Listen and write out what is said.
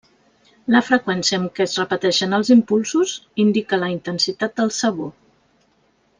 La freqüència amb què es repeteixen els impulsos indica la intensitat del sabor.